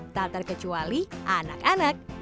tak terkecuali anak anak